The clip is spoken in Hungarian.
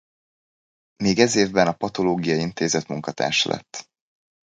Még ez évben a Patológiai Intézet munkatársa lett.